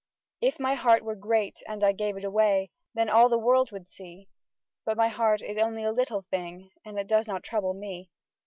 If my heart were great and I gave it away. Then all the world would see; But my heart is only a little thing And it does not trouble me.